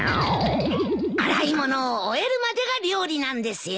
洗い物を終えるまでが料理なんですよ。